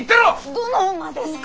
どの馬ですか？